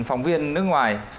phóng viên nước ngoài